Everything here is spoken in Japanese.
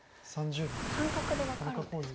感覚で分かるんですか。